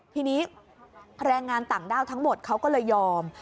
ทีนี้แรงงานต่างด้าวทั้งหมดเขาก็เลยยอม